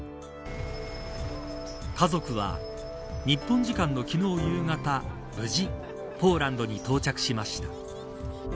日本時間の昨日、夕方無事ポーランドに到着しました。